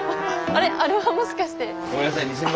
あれはもしかして。